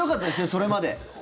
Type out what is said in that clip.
それまで。